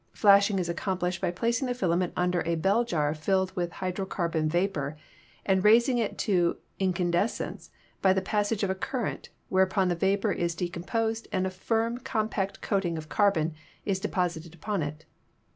Flashing is accomplished by placing the filament under a bell jar filled with hydro carbon vapor, and raising it to incandescence by the pass age of a current, whereupon the vapor is decomposed and a firm compact coating of carbon is deposited upon it.